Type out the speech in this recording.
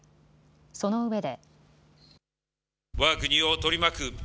そのうえで。